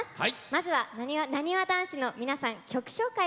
まずは、なにわ男子の皆さん曲紹介